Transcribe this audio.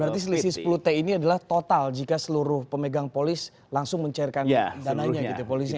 berarti selisih sepuluh t ini adalah total jika seluruh pemegang polis langsung mencairkan dananya gitu polisinya